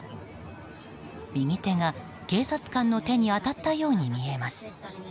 右手が警察官の手に当たったように見えます。